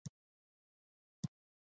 مجاهد د خپل ملت ستونزو ته حل لټوي.